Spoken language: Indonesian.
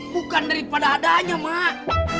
bukan daripada adanya mak